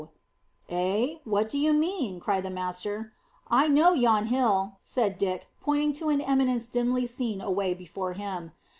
"Eh? What do you mean?" cried the master. "I know yon hill," said Dick, pointing to an eminence dimly seen away before him.